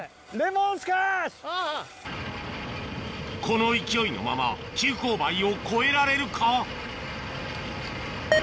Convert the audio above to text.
この勢いのまま急勾配を越えられるか？